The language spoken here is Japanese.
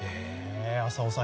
浅尾さん